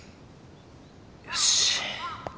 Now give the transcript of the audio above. よし。